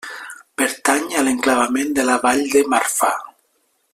Pertany a l'enclavament de la Vall de Marfà.